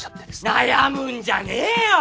悩むんじゃねぇよ！